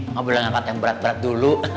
ngobrolin angkat yang berat berat dulu